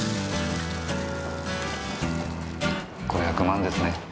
５００万ですね。